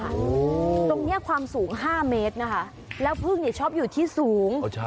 ตรงนี้ความสูง๕เมตรนะคะแล้วพึ่งเนี่ยช็อปอยู่ที่สูง